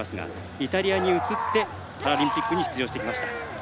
イタリアに移ってパラリンピックに出場してきました。